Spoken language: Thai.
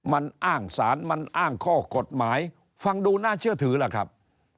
มันอ้างสารมันอ้างข้อกฎหมายฟังดูน่าเชื่อถือล่ะครับ